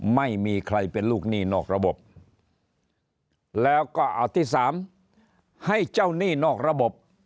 ไม่มีใครเป็นลูกหนี้นอกระบบแล้วก็เอาที่สามให้เจ้าหนี้นอกระบบ